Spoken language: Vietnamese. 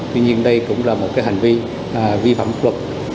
tuy nhiên đây cũng là một cái hành vi vi phạm pháp luật